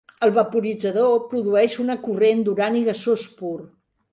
El vaporitzador produeix una corrent d'urani gasós pur.